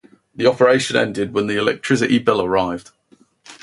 The operation ended when the electricity bill arrived.